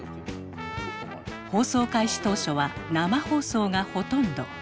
放送開始当初は生放送がほとんど。